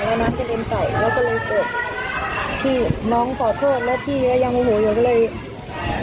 แล้วน้ำกระเด็นใส่แล้วก็เลยตกพี่น้องขอโทษแล้วพี่ยังหูหูอยู่